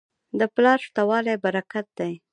د پلار شته والی برکت دی.